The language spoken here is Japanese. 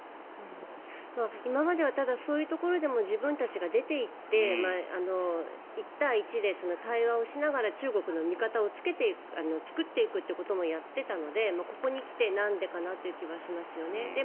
今まではただ、そういうところでも自分たちが出ていって一対一で対話をしながら中国の味方を作っていくということもやっていたのでここに来て、なんでかなっていう気はしますよね。